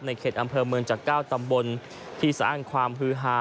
ในเข็ดอำเภอเมืองจากเก้าตำบลที่สะอ้างความพื้นฮา